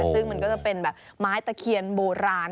ซึ่งมันก็จะเป็นแบบไม้ตะเคียนโบราณ